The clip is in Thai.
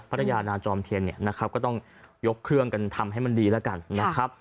พัทยานาจอมเทียนเนี่ยนะครับก็ต้องยกเครื่องกันทำให้มันดีแล้วกันนะครับ